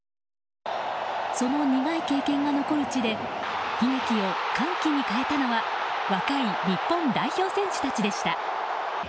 その苦い経験が残る地で悲劇を歓喜に変えたのは若い日本代表選手たちでした。